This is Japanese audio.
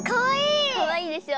かわいいでしょ。